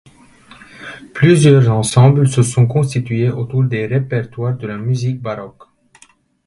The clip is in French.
Plusieurs ensembles se sont constitués autour des répertoires de la musique baroque.